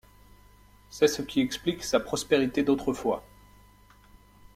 C'est ce qui explique sa prospérité d'autrefois.